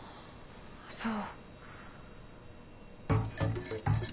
そう。